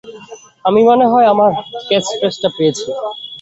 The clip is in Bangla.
আমি মনে হয় আমার ক্যাচফ্রেজটা পেয়েছি।